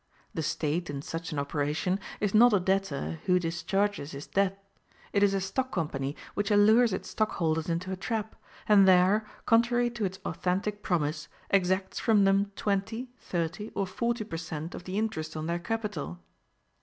The State, in such an operation, is not a debtor who discharges his debt; it is a stock company which allures its stockholders into a trap, and there, contrary to its authentic promise, exacts from them twenty, thirty, or forty per cent. of the interest on their capital.